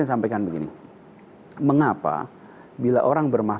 tetapi selama ini ya ada proyek proyek yang terjadi